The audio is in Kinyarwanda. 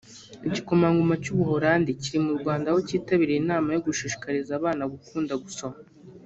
Igikomangoma cy’u Buholandi kiri mu Rwanda aho cyitabiriye inama yo gushishikariza abana gukunda gusoma